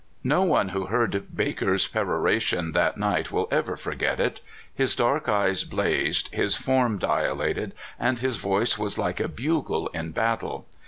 No one who heard Baker's pdrora 158 CALIFORNIA SKETCHES, tion that night will ever forget it. His dark eyes blazed, his form dilated, and his voice was like a bugle in battle.